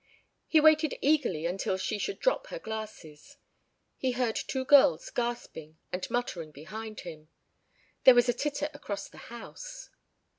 He waited eagerly until she should drop her glasses. ... He heard two girls gasping and muttering behind him. ... There was a titter across the house.